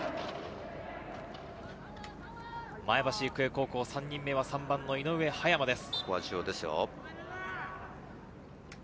前橋育英高校３人目は３番の井上駿也真です。